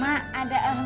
mak ada ahem ahemnya tuh